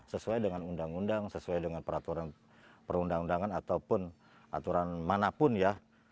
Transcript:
sesuai dengan undang undang peraturan perundangan ataupun aturan manapun ya